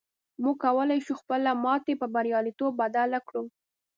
موږ کولی شو خپله ماتې پر برياليتوب بدله کړو.